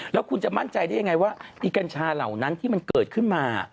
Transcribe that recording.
แล้วคุณจะมั่นใจได้ยังไงว่าไอ้กัญชาเหล่านั้นที่มันเกิดขึ้นมา